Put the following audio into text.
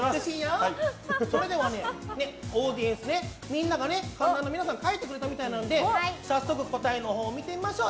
それではオーディエンスで観覧の皆さんが書いてくれたみたいなので早速答えのほうを見てみましょう。